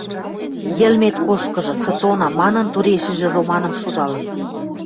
Йӹлмет кошкыжы, сытона!» — манын, турешӹжӹ Романым шудалын.